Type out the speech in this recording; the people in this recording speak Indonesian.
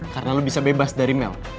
karena lu bisa bebas dari mel